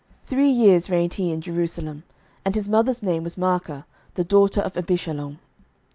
11:015:002 Three years reigned he in Jerusalem. and his mother's name was Maachah, the daughter of Abishalom.